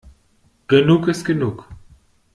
Genug ist genug.